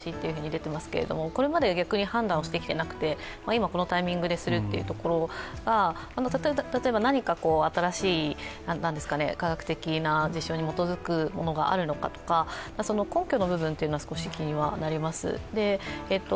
以前からこの話出ていますけれども、これまで逆に判断をしてきていなくて今このタイミングでするというところが、例えば何か新しい科学的な実証に基づくものがあるのかとか、その根拠の部分は少し気にはなります。